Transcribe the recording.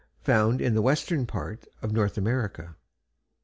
Found in the western part of North America.